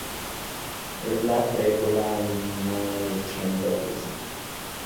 Es la precuela animada de "Train to Busan".